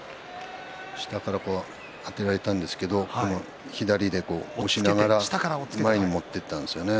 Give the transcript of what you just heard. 下からあてがえたんですけれど左で押しながら前に持っていったんですよね。